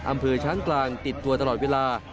อำเภอช้างกลางติดตัวตลอดเวลา